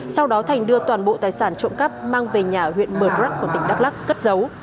sau đó thành đưa toàn bộ tài sản trộm cắp mang về nhà huyện mờ đrắc của tỉnh đắk lắc cất giấu